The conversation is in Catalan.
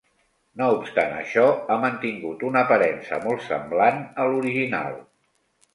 No obstant això, ha mantingut una aparença molt semblant a l’original.